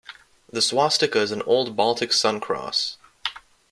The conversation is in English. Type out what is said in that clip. The swastica is an old Baltic sun cross.